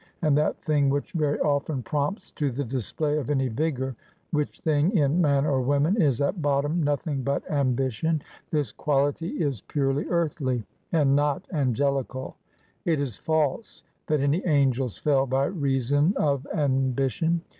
And that thing which very often prompts to the display of any vigor which thing, in man or woman, is at bottom nothing but ambition this quality is purely earthly, and not angelical. It is false, that any angels fell by reason of ambition.